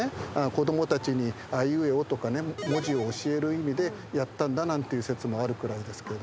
子供たちにあいうえおとかね文字を教える意味でやったんだなんて説もあるくらいですけど。